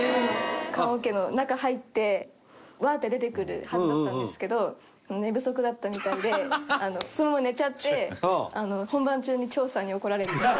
棺桶の中入ってうわっ！って出てくるはずだったんですけど寝不足だったみたいでそのまま寝ちゃって。